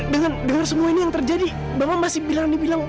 dengan semua ini yang terjadi bapak masih bilang dibilang bukan